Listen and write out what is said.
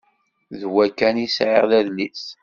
D wa kan i sεiɣ d adlis.